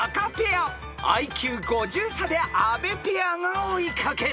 ［ＩＱ５０差で阿部ペアが追い掛ける］